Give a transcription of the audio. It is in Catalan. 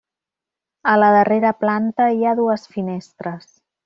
A la darrera planta hi ha dues finestres.